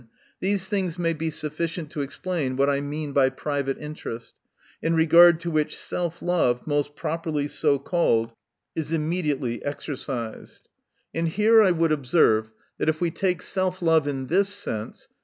— These things may be sufficient to explain what I mean by private interest ; in regard to which, self love, most properly so called, is imme diately exercised. And here I would observe, that if we take self love in this sense